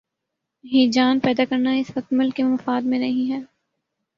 ہیجان پیدا کرنا اس وقت ملک کے مفاد میں نہیں ہے۔